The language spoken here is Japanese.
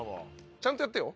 ちゃんとやってよ。